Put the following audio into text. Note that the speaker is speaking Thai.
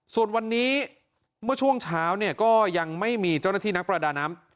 ส่วนวันนี้เมื่อช่วงเช้าเนี่ยก็ยังไม่มีเจ้าหน้าที่นักประดาน้ำ